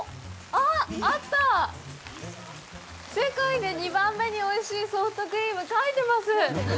あっあった「世界で２番目においしいソフトクリーム」書いてます